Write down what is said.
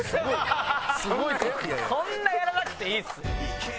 そんなやらなくていいです。